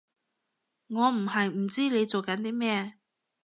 我唔係唔知你做緊啲咩